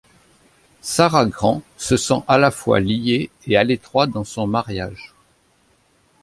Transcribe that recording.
Sarah Grand se sent à la fois liée et à l’étroit dans son mariage.